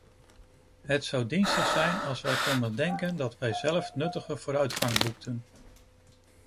Het zou dienstig zijn als wij konden denken dat wij zelf nuttige vooruitgang boekten.